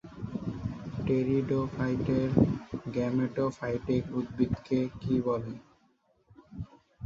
টেরিডোফাইটের gametophytic উদ্ভিদকে কী বলে?